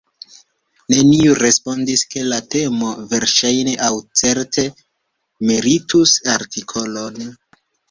Neniu respondis, ke la temo verŝajne aŭ certe meritus artikolon.